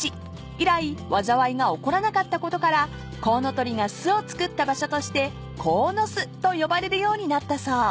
［以来災いが起こらなかったことからコウノトリが巣を作った場所として鴻巣と呼ばれるようになったそう］